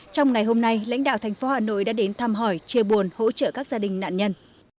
trong ngày hôm nay lãnh đạo thành phố hà nội đã đến thăm hỏi chia buồn hỗ trợ các gia đình nạn nhân